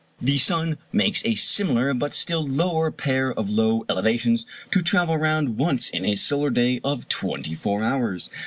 The sun makes a similar but still lower pair of low elevations to travel round once in a solar day of 24 hours.